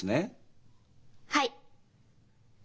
はい。